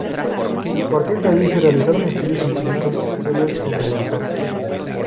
A partir de ahí, se realizaron estudios científicos serios sobre el autor.